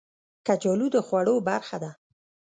کچالو د خوړو برخه ده